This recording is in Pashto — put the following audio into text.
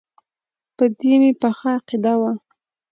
په دې مې پخه عقیده وه.